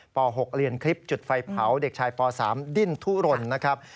ป๖เรียนคลิปจุดไฟเผาเด็กชายป๓ดิ้นทุรนนะครับ